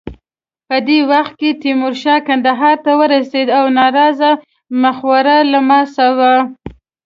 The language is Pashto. په دې وخت کې تیمورشاه کندهار ته ورسېد او ناراضه مخورو لمساوه.